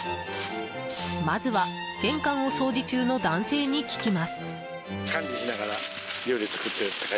まずは、玄関を掃除中の男性に聞きます。